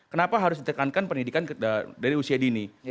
kenapa harus ditekankan pendidikan dari usia dini